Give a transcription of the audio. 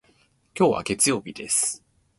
今日は月曜日です。